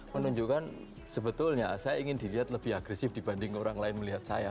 menunjukkan sebetulnya saya ingin dilihat lebih agresif dibanding orang lain melihat saya